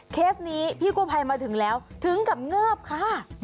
เคสนี้พี่กู้ภัยมาถึงแล้วถึงกับเงิบค่ะ